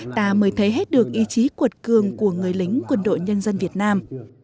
ta mới thấy hết được ý chí cuột cường của người lính quân đội nhân dân việt nam